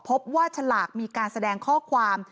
ฉลากมีการแสดงข้อความ